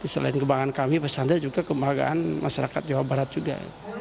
selain kebanggaan kami pesantren juga kebanggaan masyarakat jawa barat juga